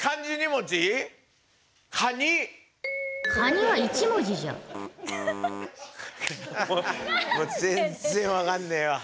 もう全然分かんねえわ。